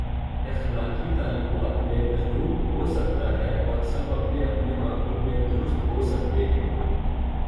اخلاقی تعلیمات میں تنوع ہو سکتا ہے اور سب اپنے اپنے ماحول میں درست ہو سکتے ہیں۔